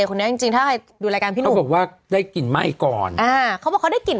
เสิร์ฟว่าได้กลิ่นไม่ก่อน